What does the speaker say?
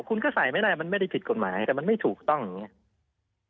คุณก็ใส่ไม่ได้มันไม่ได้ผิดกฎหมายแต่มันไม่ถูกต้องอย่างนี้